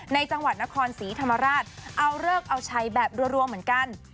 ในจังหวัดนครศรีธรรมราชเอาเลิกเอาชัยแบบรัวเหมือนกัน